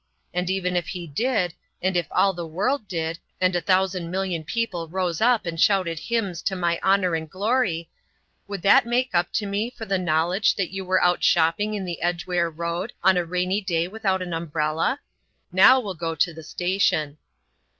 And even if he did, and if all the world did, and a thousand million people rose up and shouted hymns to my honour and glory, would that make up to me for the knowledge that you were out shopping in the Edgware Road on a rainy day without an umbrella? Now we'll go to the station."